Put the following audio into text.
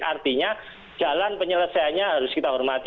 artinya jalan penyelesaiannya harus kita hormati